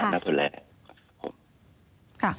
น่าแทนแหละ